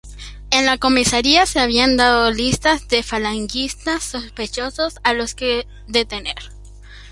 En la comisaría se habían dado listas de falangistas sospechosos a los que detener.